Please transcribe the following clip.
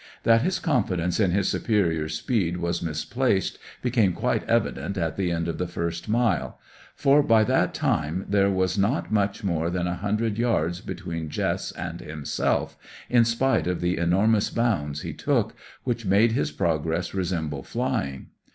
That his confidence in his superior speed was misplaced became quite evident at the end of the first mile, for by that time there was not much more than a hundred yards between Jess and himself, in spite of the enormous bounds he took, which made his progress resemble flying.